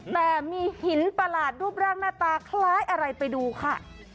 แต่มีหินประหลาดรูปร่างหน้าตาคล้ายอะไรไปดูค่ะ